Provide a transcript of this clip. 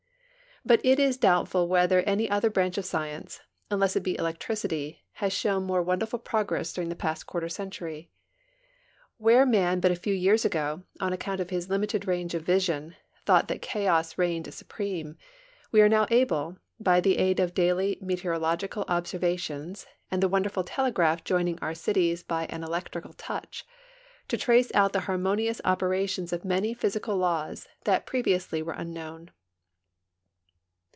But it is doubtful whether any other branch of science, unless it be electricity, has shown more wonderful progress during the past quarter century. Where man but a few years ago, on ac count of his limited range of vision, thought that chaos reigned supreme, we arc now able, by the aid of daily meteorological observations and the wonderful telegraph joining our cities by an electrical touch, to trace out the harmonious operations of many physical laws that i)reviously were unknown.